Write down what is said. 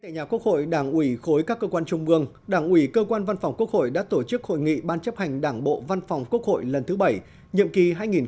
nhà quốc hội đảng ủy khối các cơ quan trung ương đảng ủy cơ quan văn phòng quốc hội đã tổ chức hội nghị ban chấp hành đảng bộ văn phòng quốc hội lần thứ bảy nhiệm kỳ hai nghìn hai mươi hai nghìn hai mươi